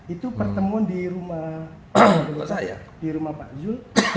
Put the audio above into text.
itu pertemuan di rumah pak zul